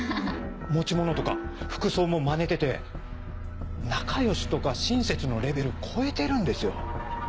持ち物とか服装もまねてて仲良しとか親切のレベル超えてるんですよ。